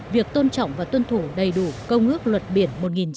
việc tôn trọng và tuân thủ đầy đủ công ước luật biển một nghìn chín trăm tám mươi hai